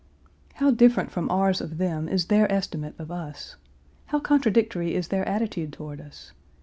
How different from ours of them is their estimate of us. How contradictory is their attitude toward us.